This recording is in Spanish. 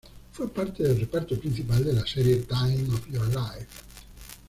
Fue parte del reparto principal de la serie "Time of Your Life".